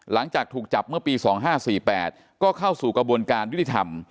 หลังจากถูกจับเมื่อปี๒๕๔๘ก็เข้าสู่กระบวนการยุติธรรม